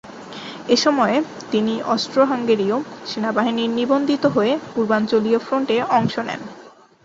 এ সময়ে তিনি অস্ট্রো-হাঙ্গেরীয় সেনাবাহিনীর নিবন্ধিত হয়ে পূর্বাঞ্চলীয় ফ্রন্টে অংশ নেন।